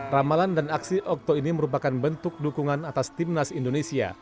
ramalan dan aksi okto ini merupakan bentuk dukungan atas timnas indonesia